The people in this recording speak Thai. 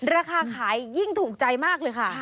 ราคาขายยิ่งถูกใจมากเลยค่ะ